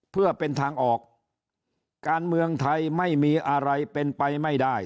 เพื่อเป็นทางออกการเมืองไทยไม่มีอะไรเป็นไปไม่ได้